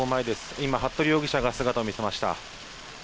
今、服部容疑者が姿を見せました。